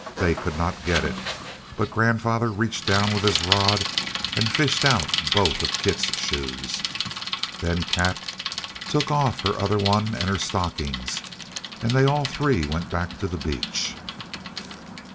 They could not get it; but grandfather reached down with his rod and fished out both of Kit's shoes. Then Kat took off her other one and her stockings, and they all three went back to the beach.